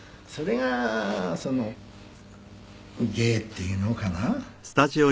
「それが芸っていうのかな」